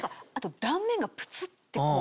あと断面がプツって。